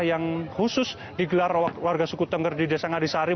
yang khusus digelar warga suku tengger di desa ngadisari